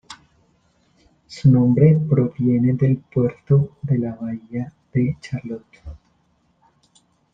Su nombre proviene del puerto de la bahía de Charlotte.